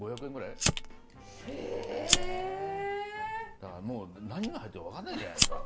だからもう何が入ってるか分かんないじゃないですか！